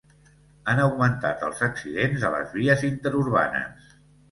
Han augmentat els accidents a les vies interurbanes.